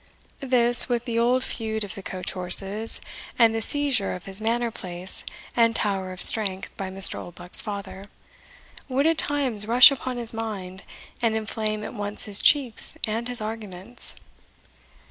This, with the old feud of the coach horses, and the seizure of his manor place and tower of strength by Mr. Oldbuck's father, would at times rush upon his mind, and inflame at once his cheeks and his arguments.